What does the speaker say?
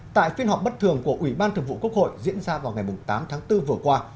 tại phiên họp bất thường của ủy ban thường vụ quốc hội diễn ra vào ngày tám tháng bốn vừa qua